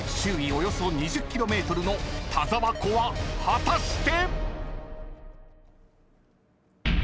およそ２０ｋｍの田沢湖は果たして⁉］